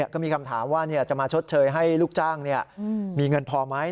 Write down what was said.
ก็มีคำถามว่าจะมาชดเชยให้ลูกจ้างมีเงินพอไหม